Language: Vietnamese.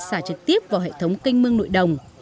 xả trực tiếp vào hệ thống canh mương nội đồng